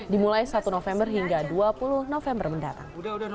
dimulai satu november hingga dua puluh november mendatang